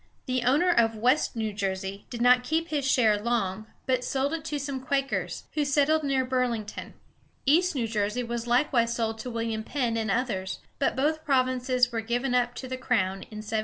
The owner of West New Jersey did not keep his share long, but sold it to some Quakers, who settled near Bur´ling ton. East New Jersey was likewise sold to William Penn and others; but both provinces were given up to the crown in 1702.